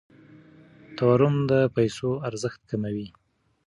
تورم د پیسو ارزښت کموي.